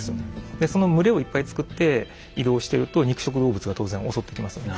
でその群れをいっぱい作って移動してると肉食動物が当然襲ってきますよね。